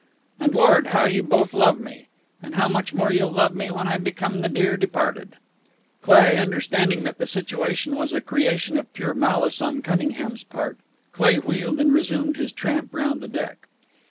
And Lord, how you both love me! And how much more you'll love me when I become the dear departed!" Cleigh, understanding that the situation was a creation of pure malice on Cunningham's part Cleigh wheeled and resumed his tramp round the deck.